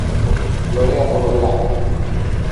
Florea polo verán.